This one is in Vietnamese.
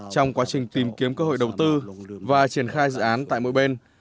trong quá trình tìm kiếm cơ hội đầu tư và triển khai dự án tại mỗi bên